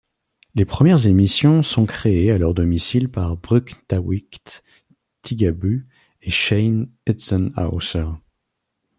Les premières émissions sont créées à leur domicile par Bruktawit Tigabu et Shane Etzenhouser.